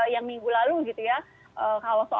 yang minggu lalu gitu ya